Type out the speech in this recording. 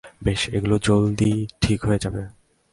বেশ, এগুলো জলদিই ঠিক হয়ে যাবে।